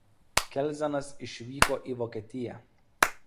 Kelzenas išvyko į Vokietiją.